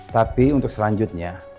tapi untuk selanjutnya